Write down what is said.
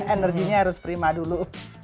energinya harus prima dulu